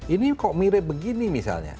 ini kok mirip begini misalnya